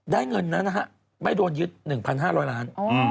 ได้เงินนั้นนะครับไม่โดนยึด๑๕๐๐ล้านบาท